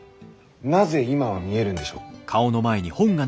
なぜ今は見えるんでしょう？